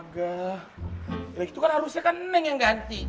ya itu kan harusnya kan nenek yang ganti